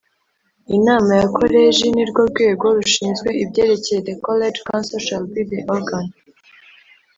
Inama ya Koleji ni rwo rwego rushinzwe ibyerekeye The College Council shall be the organ